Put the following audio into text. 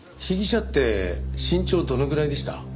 被疑者って身長どのぐらいでした？